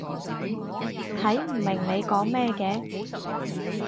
睇唔明你講咩嘅